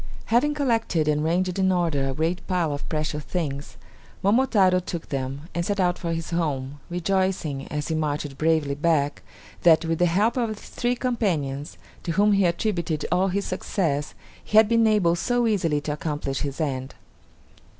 Having collected and ranged in order a great pile of precious things, Momotaro took them, and set out for his home, rejoicing, as he marched bravely back, that, with the help of his three companions, to whom he attributed all his success, he had been able so easily to accomplish his end.